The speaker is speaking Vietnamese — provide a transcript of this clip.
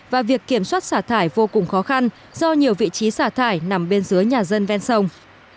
và việc kiểm soát xả thải vô cùng khó khăn do nhiều vị trí xả thải nằm bên dưới nhà dân ven sông